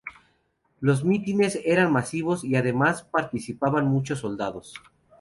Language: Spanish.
Los mítines eran masivos y además participaban muchos soldados.